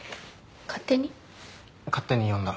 勝手に呼んだ。